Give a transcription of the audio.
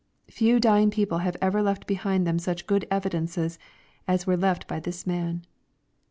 Few dying people have ever left behind them such good evidences as were left by this man.